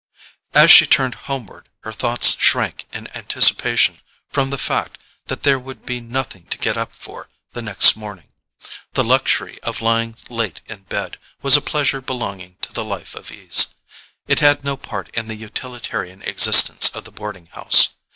As she turned homeward her thoughts shrank in anticipation from the fact that there would be nothing to get up for the next morning. The luxury of lying late in bed was a pleasure belonging to the life of ease; it had no part in the utilitarian existence of the boarding house.